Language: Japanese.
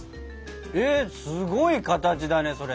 えっすごい形だねそれ。